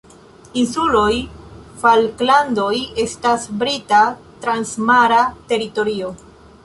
Insuloj Falklandoj estas Brita transmara teritorio.